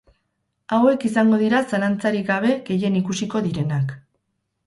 Hauek izango dira zalantzarik gabe gehien ikusiko direnak.